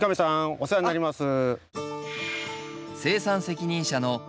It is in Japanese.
お世話になります。